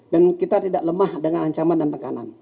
dan kita tidak lemah dengan ancaman dan tekanan